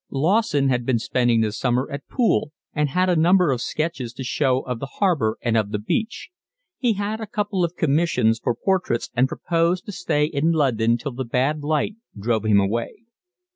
Lawson had been spending the summer at Poole, and had a number of sketches to show of the harbour and of the beach. He had a couple of commissions for portraits and proposed to stay in London till the bad light drove him away.